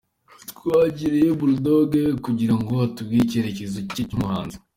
Twegereye Bulldogg kugira ngo atubwire icyerekezo cye nk’umuhanzi.